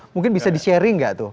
mungkin bisa di sharing nggak tuh